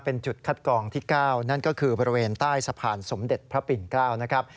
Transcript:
เป็นจุดคัดกองที่๙นั่นก็คือบริเวณใต้สะพานสมเด็จพระปิ่น๙นะครับ